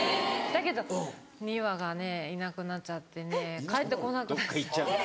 だけど２羽がねいなくなっちゃってね帰ってこなくなっちゃった。